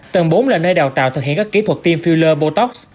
tầng bốn là nơi đào tạo thực hiện các kỹ thuật tiêm filler bồ tóc